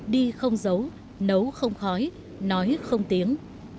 đi không giấu nấu không khói nói không tiếng